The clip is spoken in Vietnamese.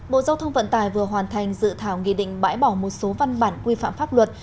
bộ giao thông vận tải vừa hoàn thành dự thảo nghị định bãi bỏ một số văn bản quy phạm pháp luật